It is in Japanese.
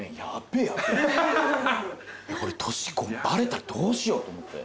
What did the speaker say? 俺年バレたらどうしようと思って。